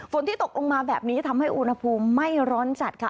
ที่ตกลงมาแบบนี้ทำให้อุณหภูมิไม่ร้อนจัดค่ะ